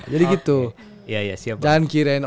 jadi gitu jangan kirain orang gerindra gak sholat